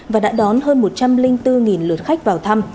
và đã đón hơn một trăm linh bốn lượt khách vào thăm